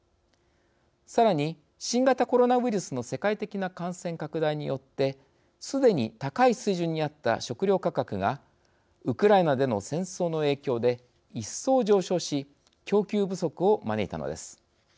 さらに、新型コロナウイルスの世界的な感染拡大によってすでに高い水準にあった食料価格がウクライナでの戦争の影響で一層上昇し供給不足を招いたのです。